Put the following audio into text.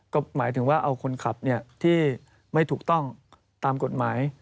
ก็หมายถึงว่าเอาคนขับที่ไม่ถูกต้องตามกฎหมาย